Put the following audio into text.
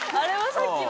さっきの。